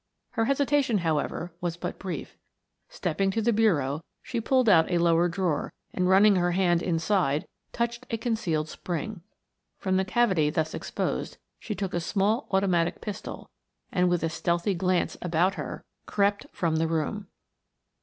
Her hesitation, however, was but brief. Stepping to the bureau, she pulled out a lower drawer and running her hand inside, touched a concealed spring. From the cavity thus exposed she took a small automatic pistol, and with a stealthy glance about her, crept from the room.